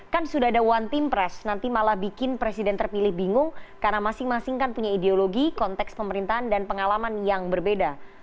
dan ada one team press nanti malah bikin presiden terpilih bingung karena masing masing kan punya ideologi konteks pemerintahan dan pengalaman yang berbeda